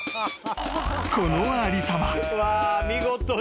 ［このありさま］